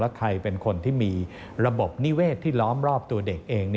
ใครเป็นคนที่มีระบบนิเวศที่ล้อมรอบตัวเด็กเอง